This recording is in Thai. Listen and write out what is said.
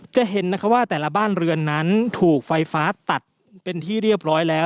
จะเห็นนะคะว่าแต่ละบ้านเรือนนั้นถูกไฟฟ้าตัดเป็นที่เรียบร้อยแล้ว